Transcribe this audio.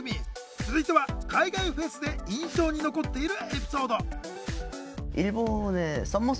続いては海外フェスで印象に残っているエピソード。